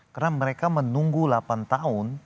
karena mereka menunggu delapan tahun